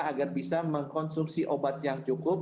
agar bisa mengkonsumsi obat yang cukup